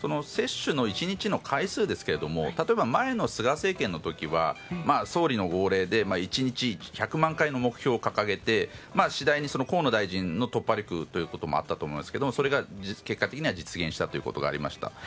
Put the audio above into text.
接種の１日の回数ですが例えば前の菅政権の時は総理の号令で１日１００万回の目標を掲げて次第に河野大臣の突破力ということもあったと思いますが結果的に実現したということがありました。